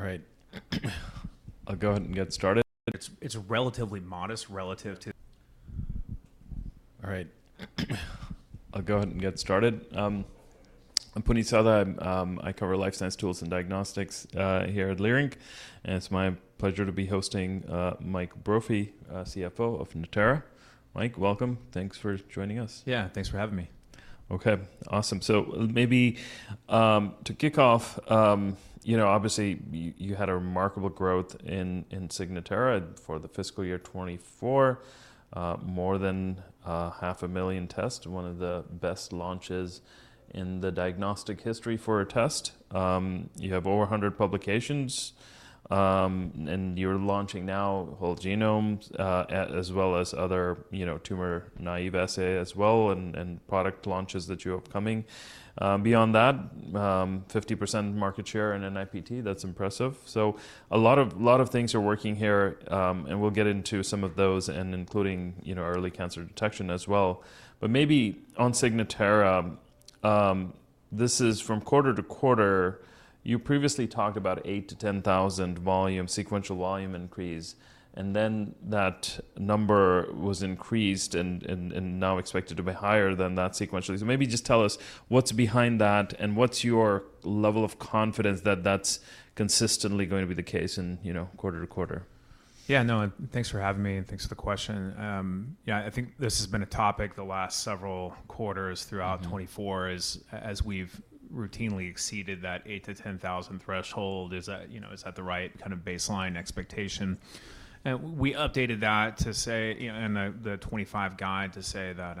All right. I'll go ahead and get started. It's relatively modest relative to. All right. I'll go ahead and get started. I'm Puneet Souda. I cover life science tools and diagnostics here at Leerink. And it's my pleasure to be hosting Mike Brophy, CFO of Natera. Mike, welcome. Thanks for joining us. Yeah, thanks for having me. OK, awesome. Maybe to kick off, obviously, you had a remarkable growth in Signatera for the fiscal year 2024, more than 500,000 tests, one of the best launches in the diagnostic history for a test. You have over 100 publications. And you're launching now whole genomes, as well as other tumor naive assay as well, and product launches that you have coming. Beyond that, 50% market share in NIPT. That's impressive. A lot of things are working here. We'll get into some of those, including early cancer detection as well. Maybe on Signatera, this is from quarter to quarter. You previously talked about 8,000-10,000 volume, sequential volume increase. Then that number was increased and now expected to be higher than that sequentially. Maybe just tell us what's behind that and what's your level of confidence that that's consistently going to be the case in quarter to quarter. Yeah, no, thanks for having me and thanks for the question. Yeah, I think this has been a topic the last several quarters throughout 2024, as we've routinely exceeded that 8,000-10,000 threshold. Is that the right kind of baseline expectation? We updated that to say, in the 2025 guide, that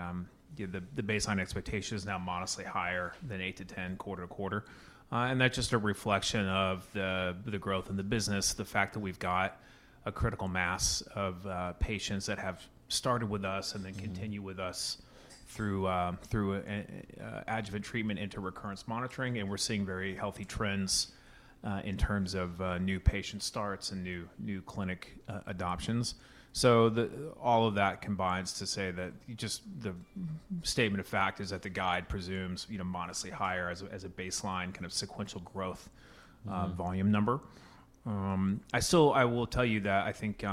the baseline expectation is now modestly higher than 8,000-10,000 quarter to quarter. That is just a reflection of the growth in the business, the fact that we've got a critical mass of patients that have started with us and then continue with us through adjuvant treatment into recurrence monitoring. We're seeing very healthy trends in terms of new patient starts and new clinic adoptions. All of that combines to say that just the statement of fact is that the guide presumes modestly higher as a baseline kind of sequential growth volume number. I will tell you that I think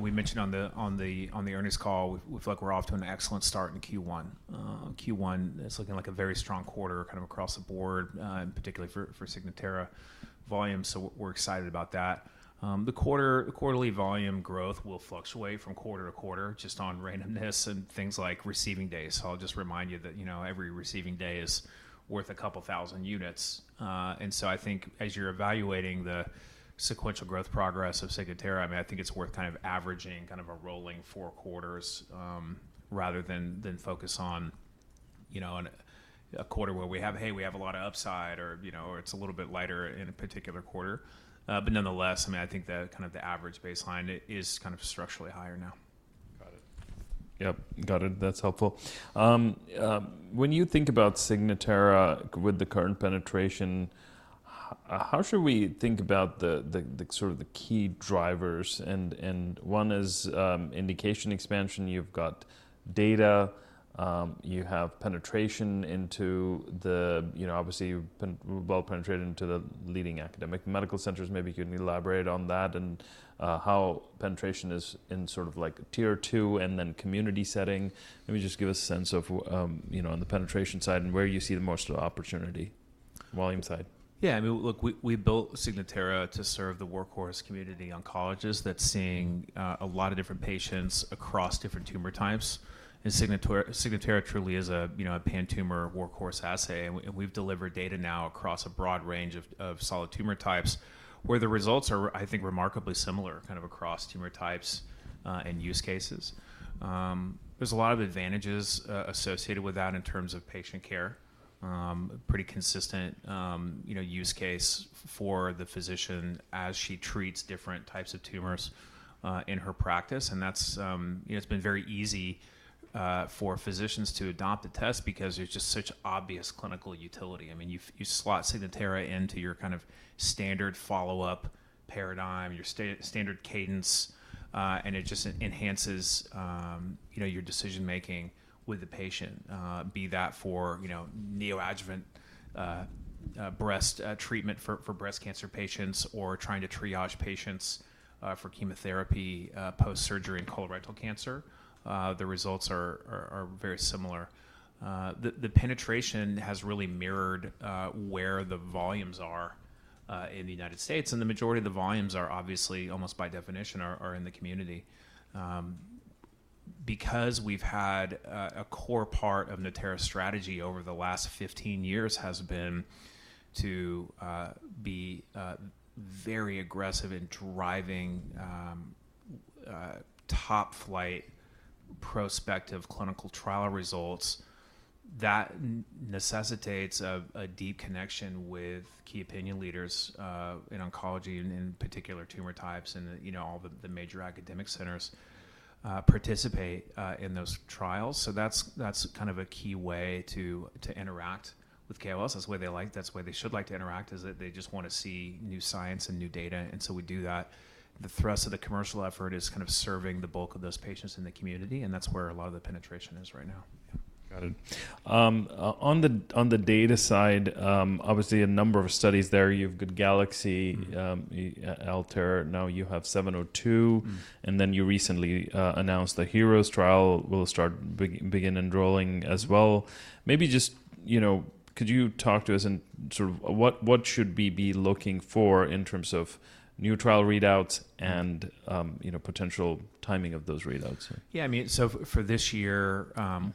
we mentioned on the earnings call, we feel like we're off to an excellent start in Q1. Q1 is looking like a very strong quarter kind of across the board, particularly for Signatera volume. We are excited about that. The quarterly volume growth will fluctuate from quarter to quarter just on randomness and things like receiving days. I will just remind you that every receiving day is worth a couple thousand units. I think as you're evaluating the sequential growth progress of Signatera, I think it's worth kind of averaging kind of a rolling four quarters rather than focus on a quarter where we have, hey, we have a lot of upside or it's a little bit lighter in a particular quarter. Nonetheless, I think that kind of the average baseline is kind of structurally higher now. Got it. Yep, got it. That's helpful. When you think about Signatera with the current penetration, how should we think about sort of the key drivers? And one is indication expansion. You've got data. You have penetration into the, obviously, well penetrated into the leading academic medical centers. Maybe you can elaborate on that and how penetration is in sort of like tier two and then community setting. Let me just give us a sense of on the penetration side and where you see the most opportunity volume side. Yeah, I mean, look, we built Signatera to serve the workhorse community oncologists that's seeing a lot of different patients across different tumor types. Signatera truly is a pan-tumor workhorse assay. We've delivered data now across a broad range of solid tumor types where the results are, I think, remarkably similar kind of across tumor types and use cases. There's a lot of advantages associated with that in terms of patient care, pretty consistent use case for the physician as she treats different types of tumors in her practice. It's been very easy for physicians to adopt the test because there's just such obvious clinical utility. I mean, you slot Signatera into your kind of standard follow-up paradigm, your standard cadence. It just enhances your decision-making with the patient, be that for neoadjuvant treatment for breast cancer patients or trying to triage patients for chemotherapy post-surgery in colorectal cancer. The results are very similar. The penetration has really mirrored where the volumes are in the United States. The majority of the volumes are obviously almost by definition are in the community. Because we've had a core part of Natera's strategy over the last 15 years has been to be very aggressive in driving top-flight prospective clinical trial results that necessitates a deep connection with key opinion leaders in oncology, in particular tumor types, and all the major academic centers participate in those trials. That's kind of a key way to interact with KOLs. That's why they like, that's why they should like to interact is that they just want to see new science and new data. We do that. The thrust of the commercial effort is kind of serving the bulk of those patients in the community. That is where a lot of the penetration is right now. Got it. On the data side, obviously a number of studies there. You've got Galaxy, Altair. Now you have 702. And then you recently announced the HEROES trial will begin enrolling as well. Maybe just could you talk to us in sort of what should we be looking for in terms of new trial readouts and potential timing of those readouts? Yeah, I mean, for this year,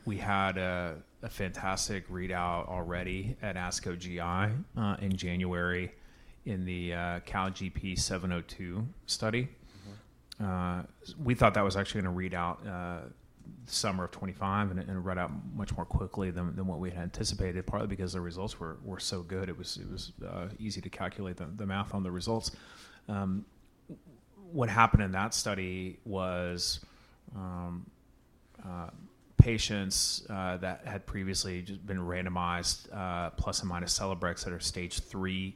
we had a fantastic readout already at ASCO GI in January in the CALGB 702 study. We thought that was actually going to read out summer of 2025 and run out much more quickly than what we had anticipated, partly because the results were so good. It was easy to calculate the math on the results. What happened in that study was patients that had previously just been randomized plus and minus Celecoxib that are stage three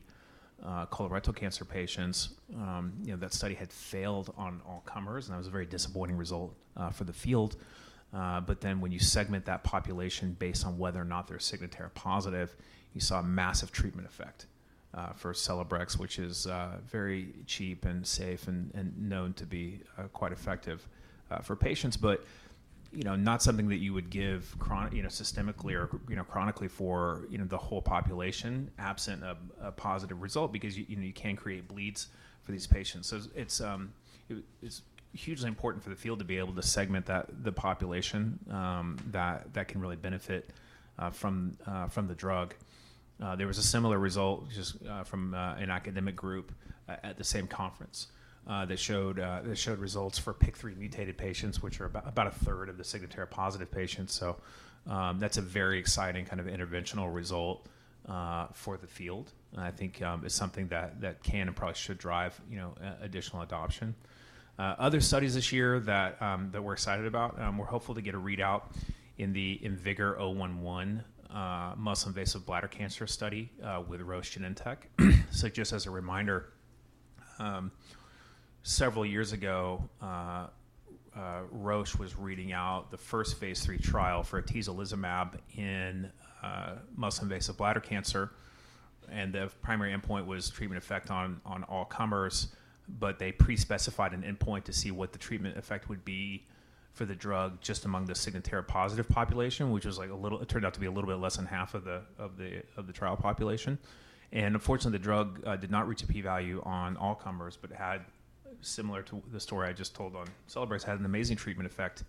colorectal cancer patients. That study had failed on all comers. That was a very disappointing result for the field. When you segment that population based on whether or not they're Signatera positive, you saw a massive treatment effect for Celebrex, which is very cheap and safe and known to be quite effective for patients, but not something that you would give systemically or chronically for the whole population absent of a positive result because you can't create bleeds for these patients. It is hugely important for the field to be able to segment the population that can really benefit from the drug. There was a similar result just from an academic group at the same conference that showed results for PIK3 mutated patients, which are about a third of the Signatera positive patients. That is a very exciting kind of interventional result for the field. I think it is something that can and probably should drive additional adoption. Other studies this year that we're excited about, we're hopeful to get a readout in the IMvigor011 muscle invasive bladder cancer study with Roche Genentech. Just as a reminder, several years ago, Roche was reading out the first phase three trial for atezolizumab in muscle invasive bladder cancer. The primary endpoint was treatment effect on all comers. They pre-specified an endpoint to see what the treatment effect would be for the drug just among the Signatera positive population, which was like a little, it turned out to be a little bit less than half of the trial population. Unfortunately, the drug did not reach a p-value on all comers, but similar to the story I just told on Celebrex, had an amazing treatment effect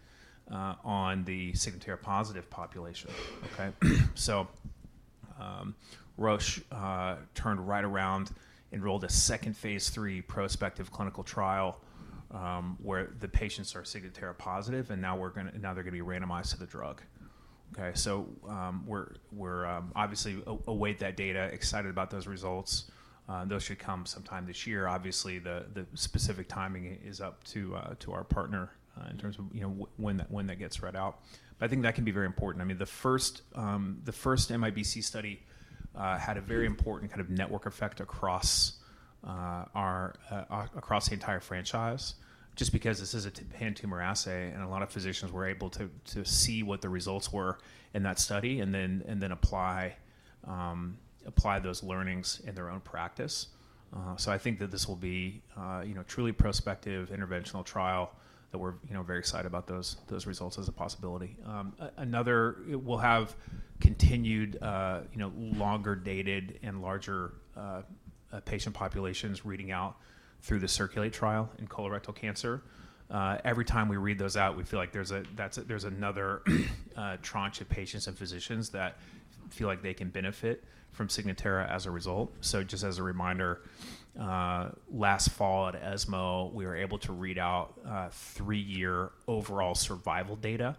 on the Signatera positive population. Roche turned right around, enrolled a second phase three prospective clinical trial where the patients are Signatera positive. Now they're going to be randomized to the drug. We're obviously await that data, excited about those results. Those should come sometime this year. Obviously, the specific timing is up to our partner in terms of when that gets read out. I think that can be very important. I mean, the first MIBC study had a very important kind of network effect across the entire franchise just because this is a pan-tumor assay. A lot of physicians were able to see what the results were in that study and then apply those learnings in their own practice. I think that this will be a truly prospective interventional trial that we're very excited about those results as a possibility. Another, we'll have continued longer dated and larger patient populations reading out through the Circulate trial in colorectal cancer. Every time we read those out, we feel like there's another tranche of patients and physicians that feel like they can benefit from Signatera as a result. Just as a reminder, last fall at ESMO, we were able to read out three-year overall survival data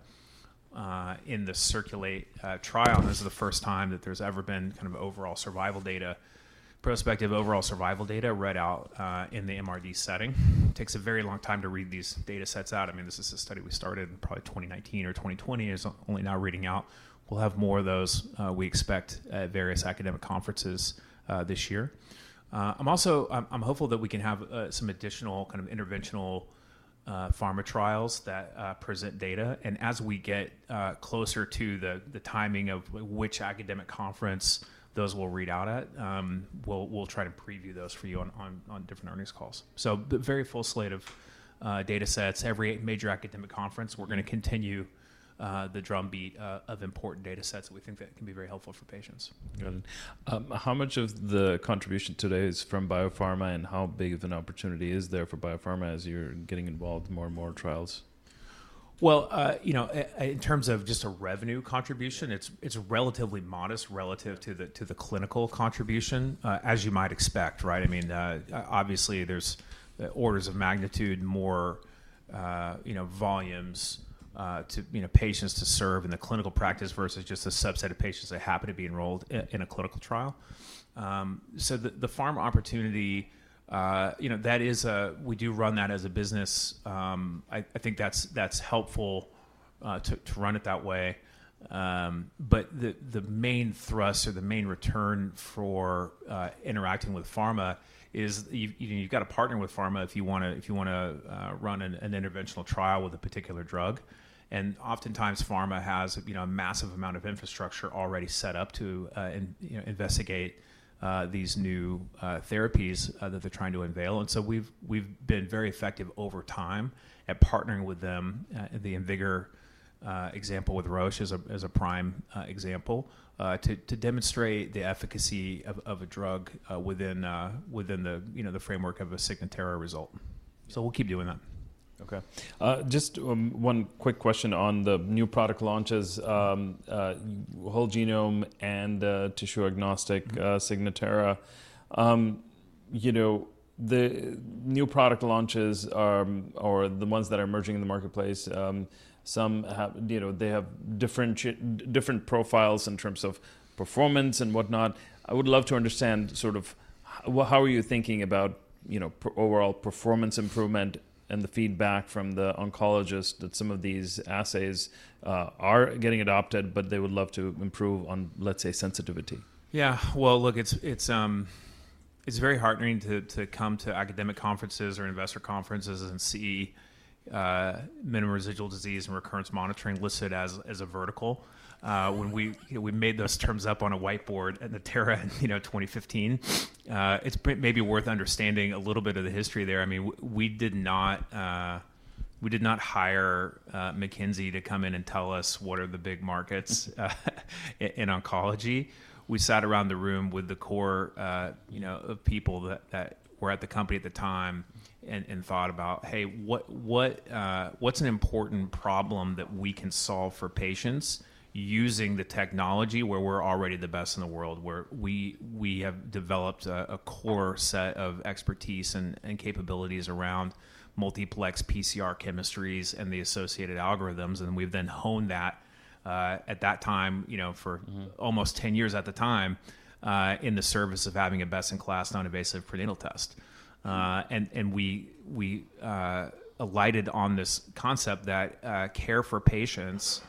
in the Circulate trial. This is the first time that there's ever been kind of overall survival data, prospective overall survival data read out in the MRD setting. Takes a very long time to read these data sets out. I mean, this is a study we started in probably 2019 or 2020, is only now reading out. We'll have more of those, we expect, at various academic conferences this year. I'm hopeful that we can have some additional kind of interventional pharma trials that present data. As we get closer to the timing of which academic conference those will read out at, we'll try to preview those for you on different earnings calls. Very full slate of data sets. Every major academic conference, we're going to continue the drumbeat of important data sets that we think that can be very helpful for patients. Got it. How much of the contribution today is from biopharma and how big of an opportunity is there for biopharma as you're getting involved in more and more trials? In terms of just a revenue contribution, it's relatively modest relative to the clinical contribution, as you might expect. I mean, obviously, there's orders of magnitude more volumes to patients to serve in the clinical practice versus just a subset of patients that happen to be enrolled in a clinical trial. The pharma opportunity, that is, we do run that as a business. I think that's helpful to run it that way. The main thrust or the main return for interacting with pharma is you've got to partner with pharma if you want to run an interventional trial with a particular drug. Oftentimes, pharma has a massive amount of infrastructure already set up to investigate these new therapies that they're trying to unveil. We have been very effective over time at partnering with them. The IMvigor example with Roche is a prime example to demonstrate the efficacy of a drug within the framework of a Signatera result. We'll keep doing that. Okay. Just one quick question on the new product launches, whole genome and tissue agnostic Signatera. The new product launches are the ones that are emerging in the marketplace. They have different profiles in terms of performance and whatnot. I would love to understand sort of how are you thinking about overall performance improvement and the feedback from the oncologist that some of these assays are getting adopted, but they would love to improve on, let's say, sensitivity. Yeah. Look, it's very heartening to come to academic conferences or investor conferences and see minimal residual disease and recurrence monitoring listed as a vertical. When we made those terms up on a whiteboard at Natera in 2015, it's maybe worth understanding a little bit of the history there. I mean, we did not hire McKinsey to come in and tell us what are the big markets in oncology. We sat around the room with the core of people that were at the company at the time and thought about, hey, what's an important problem that we can solve for patients using the technology where we're already the best in the world, where we have developed a core set of expertise and capabilities around multiplex PCR chemistries and the associated algorithms. We have then honed that at that time for almost 10 years at the time in the service of having a best-in-class non-invasive prenatal test. We alighted on this concept that care for patients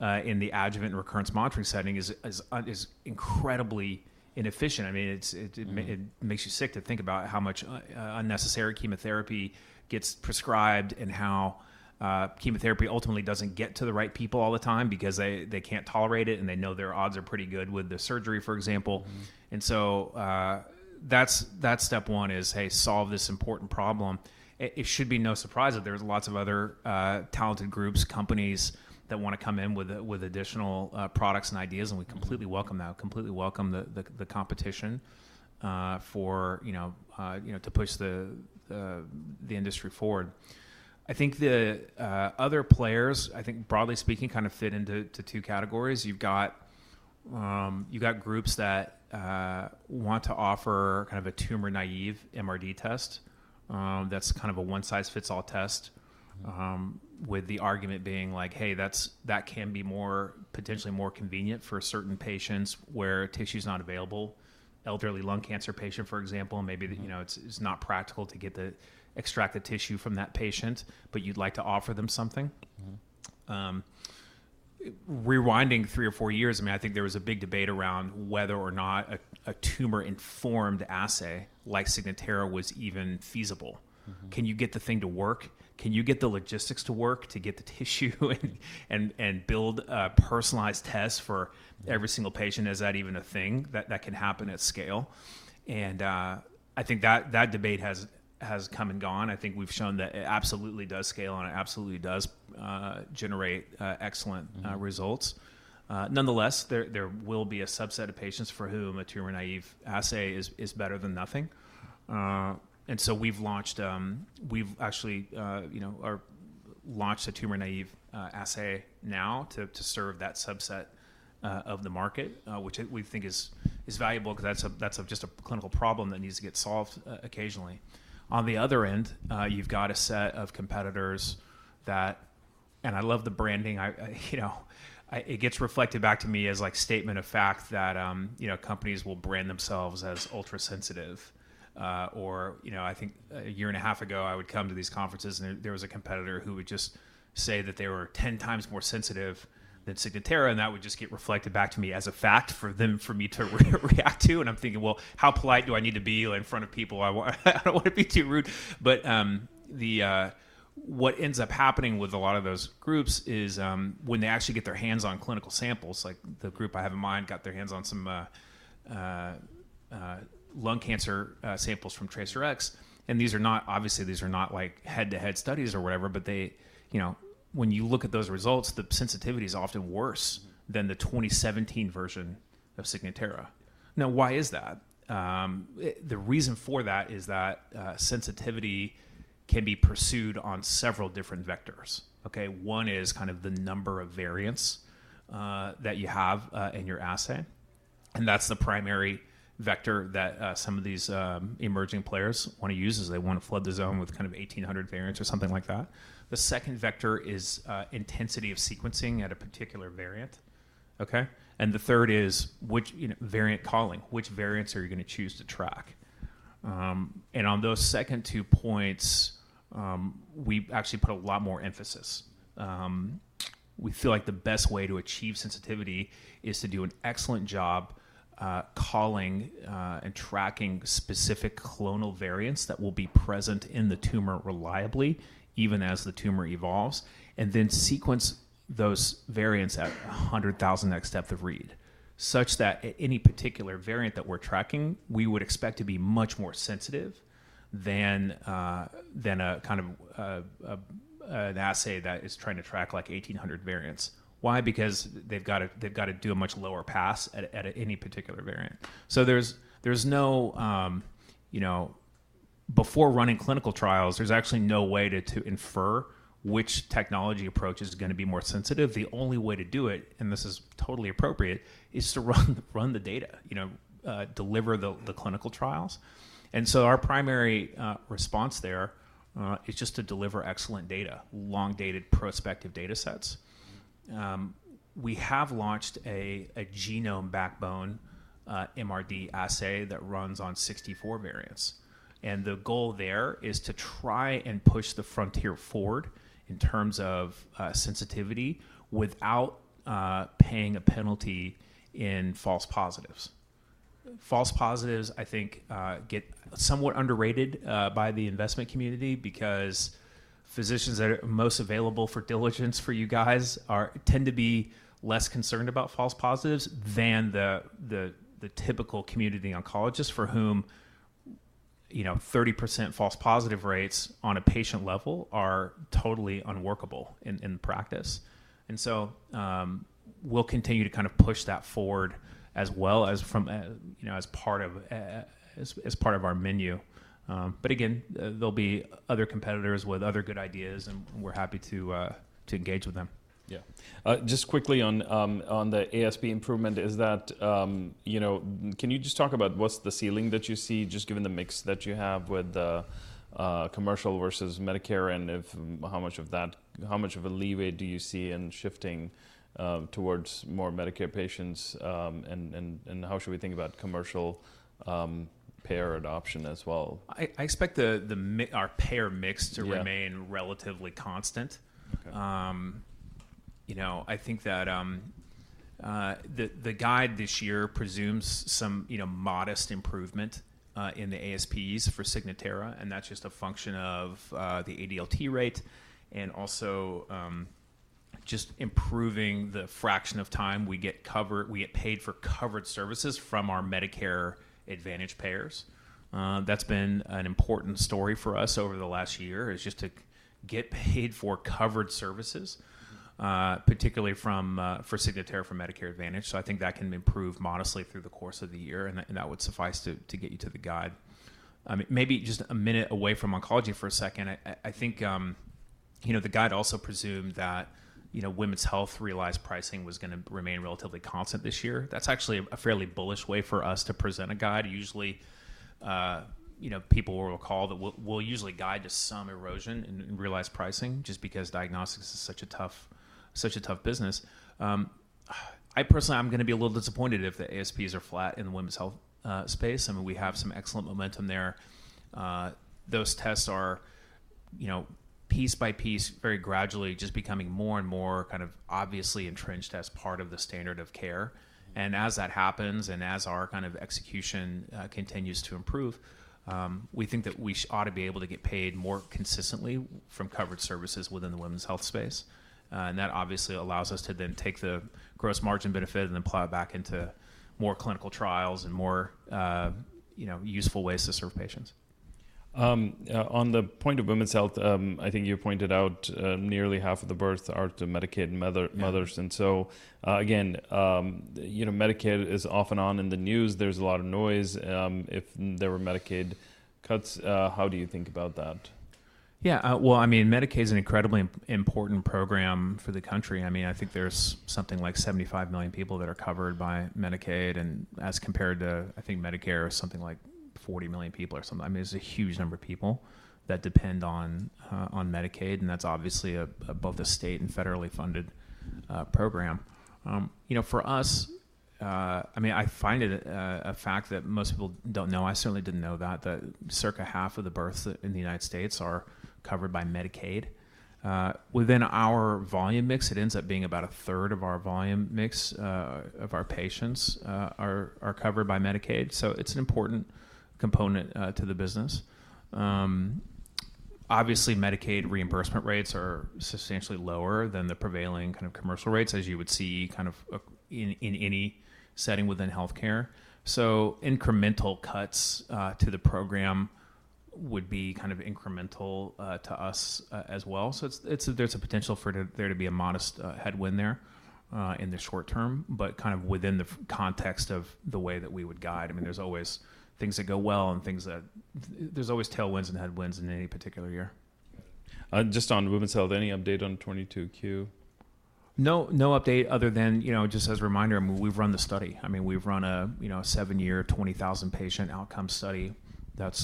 in the adjuvant and recurrence monitoring setting is incredibly inefficient. I mean, it makes you sick to think about how much unnecessary chemotherapy gets prescribed and how chemotherapy ultimately does not get to the right people all the time because they cannot tolerate it and they know their odds are pretty good with the surgery, for example. That is step one: solve this important problem. It should be no surprise that there are lots of other talented groups, companies that want to come in with additional products and ideas. We completely welcome that, completely welcome the competition to push the industry forward. I think the other players, I think broadly speaking, kind of fit into two categories. You've got groups that want to offer kind of a tumor-naive MRD test. That's kind of a one-size-fits-all test with the argument being like, hey, that can be potentially more convenient for certain patients where tissue is not available. Elderly lung cancer patient, for example, maybe it's not practical to extract the tissue from that patient, but you'd like to offer them something. Rewinding three or four years, I mean, I think there was a big debate around whether or not a tumor-informed assay like Signatera was even feasible. Can you get the thing to work? Can you get the logistics to work to get the tissue and build a personalized test for every single patient? Is that even a thing that can happen at scale? I think that debate has come and gone. I think we've shown that it absolutely does scale and it absolutely does generate excellent results. Nonetheless, there will be a subset of patients for whom a tumor naive assay is better than nothing. We've actually launched a tumor naive assay now to serve that subset of the market, which we think is valuable because that's just a clinical problem that needs to get solved occasionally. On the other end, you've got a set of competitors that, and I love the branding. It gets reflected back to me as like statement of fact that companies will brand themselves as ultra-sensitive. I think a year and a half ago, I would come to these conferences and there was a competitor who would just say that they were 10 times more sensitive than Signatera. That would just get reflected back to me as a fact for me to react to. I'm thinking, how polite do I need to be in front of people? I don't want to be too rude. What ends up happening with a lot of those groups is when they actually get their hands on clinical samples, like the group I have in mind got their hands on some lung cancer samples from TRACERx. Obviously, these are not like head-to-head studies or whatever. When you look at those results, the sensitivity is often worse than the 2017 version of Signatera. Now, why is that? The reason for that is that sensitivity can be pursued on several different vectors. One is kind of the number of variants that you have in your assay. That's the primary vector that some of these emerging players want to use as they want to flood the zone with kind of 1,800 variants or something like that. The second vector is intensity of sequencing at a particular variant. The third is variant calling, which variants are you going to choose to track? On those second two points, we actually put a lot more emphasis. We feel like the best way to achieve sensitivity is to do an excellent job calling and tracking specific clonal variants that will be present in the tumor reliably even as the tumor evolves and then sequence those variants at 100,000 next step of read such that any particular variant that we're tracking, we would expect to be much more sensitive than a kind of an assay that is trying to track like 1,800 variants. Why? Because they've got to do a much lower pass at any particular variant. Before running clinical trials, there's actually no way to infer which technology approach is going to be more sensitive. The only way to do it, and this is totally appropriate, is to run the data, deliver the clinical trials. Our primary response there is just to deliver excellent data, long-dated prospective data sets. We have launched a genome backbone MRD assay that runs on 64 variants. The goal there is to try and push the frontier forward in terms of sensitivity without paying a penalty in false positives. False positives, I think, get somewhat underrated by the investment community because physicians that are most available for diligence for you guys tend to be less concerned about false positives than the typical community oncologist for whom 30% false positive rates on a patient level are totally unworkable in practice. We will continue to kind of push that forward as well as part of our menu. Again, there will be other competitors with other good ideas, and we are happy to engage with them. Yeah. Just quickly on the ASP improvement, can you just talk about what's the ceiling that you see just given the mix that you have with the commercial versus Medicare and how much of a leeway do you see in shifting towards more Medicare patients? How should we think about commercial payer adoption as well? I expect our payer mix to remain relatively constant. I think that the guide this year presumes some modest improvement in the ASPs for Signatera, and that's just a function of the ADLT rate and also just improving the fraction of time we get paid for covered services from our Medicare Advantage payers. That's been an important story for us over the last year is just to get paid for covered services, particularly for Signatera for Medicare Advantage. I think that can improve modestly through the course of the year, and that would suffice to get you to the guide. Maybe just a minute away from oncology for a second, I think the guide also presumed that women's health realized pricing was going to remain relatively constant this year. That's actually a fairly bullish way for us to present a guide. Usually, people will call that will usually guide to some erosion in realized pricing just because diagnostics is such a tough business. I personally, I'm going to be a little disappointed if the ASPs are flat in the women's health space. I mean, we have some excellent momentum there. Those tests are piece by piece, very gradually just becoming more and more kind of obviously entrenched as part of the standard of care. As that happens and as our kind of execution continues to improve, we think that we ought to be able to get paid more consistently from covered services within the women's health space. That obviously allows us to then take the gross margin benefit and then plow it back into more clinical trials and more useful ways to serve patients. On the point of women's health, I think you pointed out nearly half of the births are to Medicaid mothers. Medicaid is off and on in the news. There's a lot of noise. If there were Medicaid cuts, how do you think about that? Yeah. I mean, Medicaid is an incredibly important program for the country. I mean, I think there is something like 75 million people that are covered by Medicaid. As compared to, I think, Medicare, something like 40 million people or something. I mean, it is a huge number of people that depend on Medicaid. That is obviously both a state and federally funded program. For us, I find it a fact that most people do not know. I certainly did not know that circa half of the births in the United States are covered by Medicaid. Within our volume mix, it ends up being about a third of our volume mix of our patients are covered by Medicaid. It is an important component to the business. Obviously, Medicaid reimbursement rates are substantially lower than the prevailing kind of commercial rates as you would see kind of in any setting within healthcare. Incremental cuts to the program would be kind of incremental to us as well. There is a potential for there to be a modest headwind there in the short term, but kind of within the context of the way that we would guide. I mean, there are always things that go well and things that, there are always tailwinds and headwinds in any particular year. Just on women's health, any update on 22q? No update other than just as a reminder, we've run the study. I mean, we've run a seven-year 20,000-patient outcome study that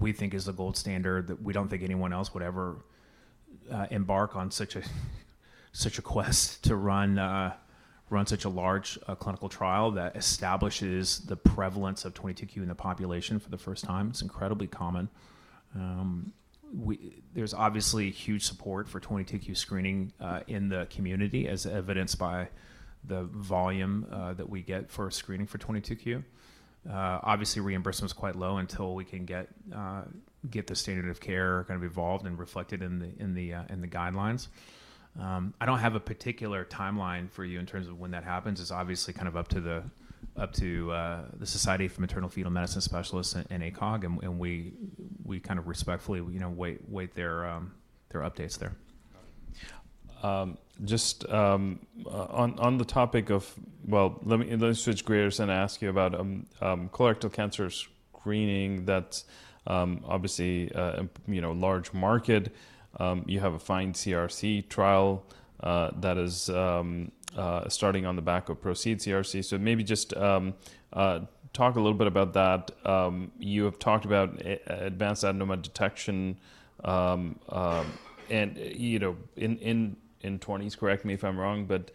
we think is the gold standard that we don't think anyone else would ever embark on such a quest to run such a large clinical trial that establishes the prevalence of 22q in the population for the first time. It's incredibly common. There's obviously huge support for 22q screening in the community as evidenced by the volume that we get for screening for 22q. Obviously, reimbursement is quite low until we can get the standard of care kind of evolved and reflected in the guidelines. I don't have a particular timeline for you in terms of when that happens. It's obviously kind of up to the Society for Maternal-Fetal Medicine Specialists and ACOG. We kind of respectfully wait their updates there. Just on the topic of, let me switch gears and ask you about colorectal cancer screening. That's obviously a large market. You have a FIND-CRC trial that is starting on the back of PROCEED-CRC. Maybe just talk a little bit about that. You have talked about advanced adenoma detection. In 20s, correct me if I'm wrong, but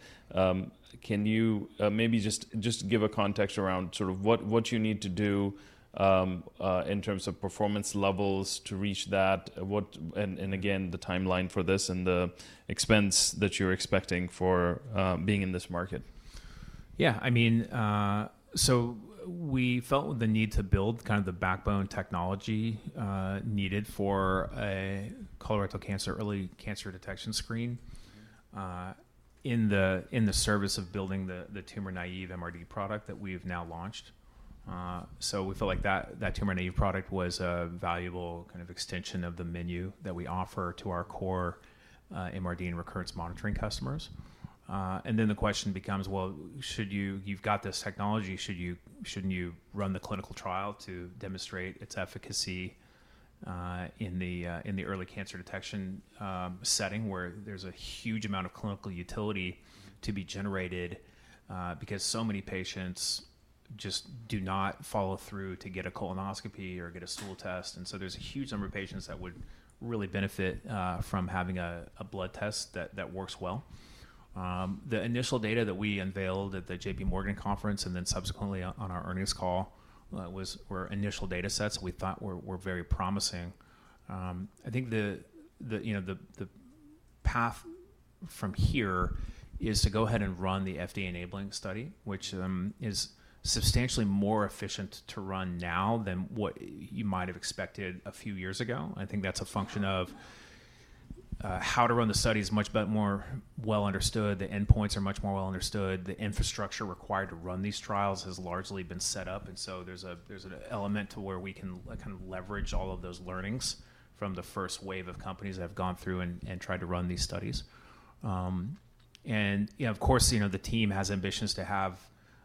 can you maybe just give a context around sort of what you need to do in terms of performance levels to reach that? Again, the timeline for this and the expense that you're expecting for being in this market. Yeah. I mean, we felt the need to build kind of the backbone technology needed for a colorectal cancer early cancer detection screen in the service of building the tumor-naive MRD product that we've now launched. We felt like that tumor-naive product was a valuable kind of extension of the menu that we offer to our core MRD and recurrence monitoring customers. The question becomes, you've got this technology. Shouldn't you run the clinical trial to demonstrate its efficacy in the early cancer detection setting where there's a huge amount of clinical utility to be generated because so many patients just do not follow through to get a colonoscopy or get a stool test. There is a huge number of patients that would really benefit from having a blood test that works well. The initial data that we unveiled at the JP Morgan Conference and then subsequently on our earnings call were initial data sets we thought were very promising. I think the path from here is to go ahead and run the FDA enabling study, which is substantially more efficient to run now than what you might have expected a few years ago. I think that's a function of how to run the study is much more well understood. The endpoints are much more well understood. The infrastructure required to run these trials has largely been set up. There is an element to where we can kind of leverage all of those learnings from the first wave of companies that have gone through and tried to run these studies. Of course, the team has ambitions to have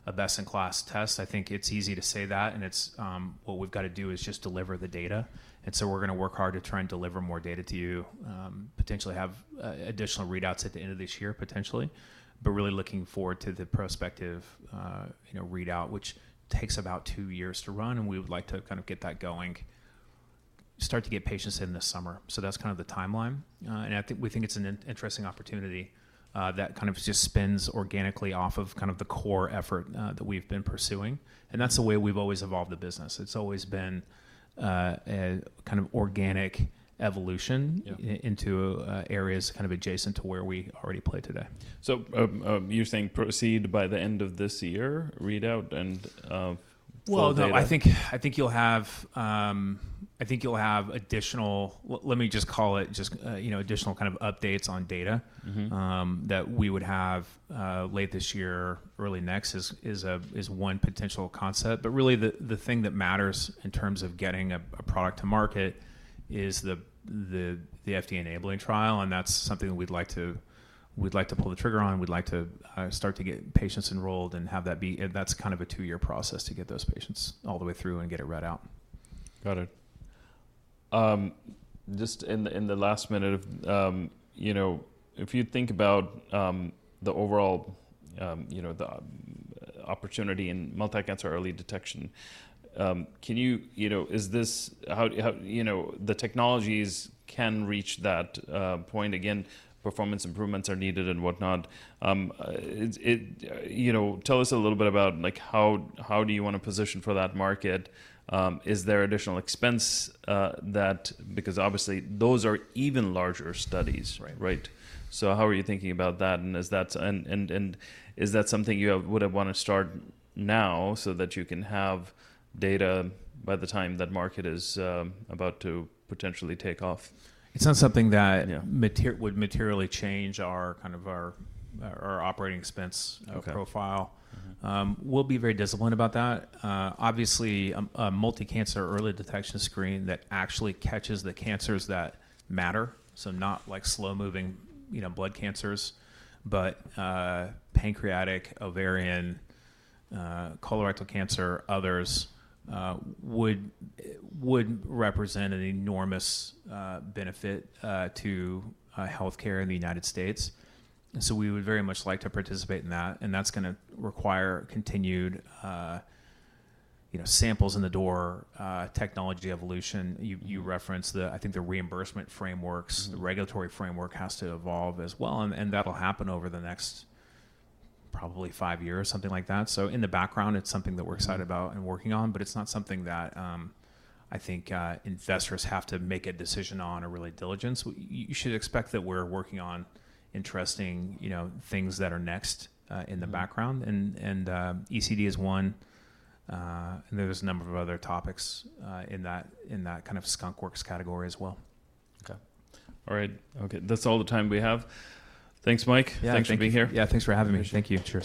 a best-in-class test. I think it's easy to say that. What we've got to do is just deliver the data. We're going to work hard to try and deliver more data to you, potentially have additional readouts at the end of this year, potentially, but really looking forward to the prospective readout, which takes about two years to run. We would like to kind of get that going, start to get patients in this summer. That's kind of the timeline. We think it's an interesting opportunity that kind of just spins organically off of the core effort that we've been pursuing. That's the way we've always evolved the business. It's always been a kind of organic evolution into areas kind of adjacent to where we already play today. You're saying proceed by the end of this year readout. I think you'll have additional, let me just call it just additional kind of updates on data that we would have late this year, early next is one potential concept. Really, the thing that matters in terms of getting a product to market is the FDA enabling trial. That's something we'd like to pull the trigger on. We'd like to start to get patients enrolled and have that be. That's kind of a two-year process to get those patients all the way through and get it read out. Got it. Just in the last minute, if you think about the overall opportunity in multi-cancer early detection, is this the technologies can reach that point. Again, performance improvements are needed and whatnot. Tell us a little bit about how do you want to position for that market? Is there additional expense that, because obviously those are even larger studies, right? How are you thinking about that? Is that something you would have want to start now so that you can have data by the time that market is about to potentially take off? It's not something that would materially change kind of our operating expense profile. We'll be very disciplined about that. Obviously, a multi-cancer early detection screen that actually catches the cancers that matter, so not like slow-moving blood cancers, but pancreatic, ovarian, colorectal cancer, others would represent an enormous benefit to healthcare in the United States. We would very much like to participate in that. That is going to require continued samples in the door, technology evolution. You referenced the, I think, the reimbursement frameworks. The regulatory framework has to evolve as well. That will happen over the next probably five years, something like that. In the background, it's something that we're excited about and working on, but it's not something that I think investors have to make a decision on or really diligence. You should expect that we're working on interesting things that are next in the background. ECD is one. There's a number of other topics in that kind of skunk works category as well. Okay. All right. Okay. That's all the time we have. Thanks, Mike. Thanks for being here. Yeah. Thanks for having me. Thank you.